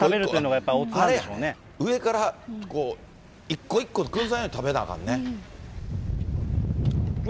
上から一個一個崩しながら食べないかんね。